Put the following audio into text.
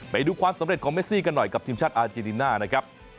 ไปดูความสำเร็จของเมซี่กันหน่อยกับทีมชาติอาเจดิน่านะครับ